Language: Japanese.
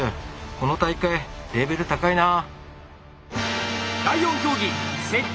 この大会レベル高いなあ。